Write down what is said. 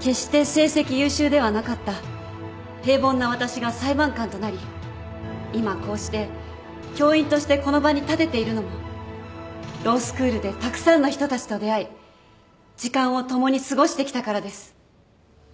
決して成績優秀ではなかった平凡な私が裁判官となり今こうして教員としてこの場に立てているのもロースクールでたくさんの人たちと出会い時間を共に過ごしてきたからです。